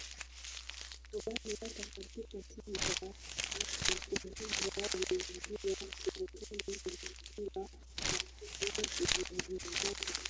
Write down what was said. tu bali hata katika nchi za Afrika ugonjwa umeingia serikali ilipiga mafuku uingizaji wa